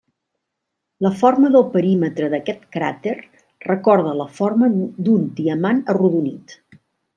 La forma del perímetre d'aquest cràter recorda la forma d'un diamant arrodonit.